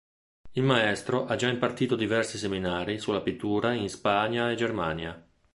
Il Maestro ha già impartito diversi seminari sulla pittura in Spagna e Germania.